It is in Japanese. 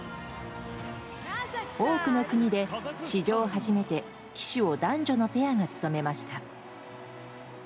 多くの国で史上初めて旗手を男女のペアが務めました。